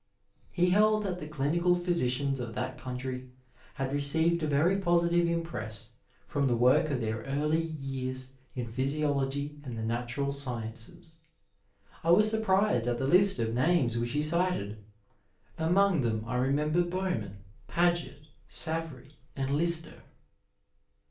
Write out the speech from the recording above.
He held that the clinical phj^dans of that country had received a very positive impress from the work of their early years in physiology and the natural sciences. I was surprised at the list of names which he cited ; among them I remember Bowman, Paget, Savory and Lister.